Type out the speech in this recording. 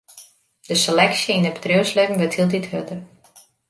De seleksje yn it bedriuwslibben wurdt hieltyd hurder.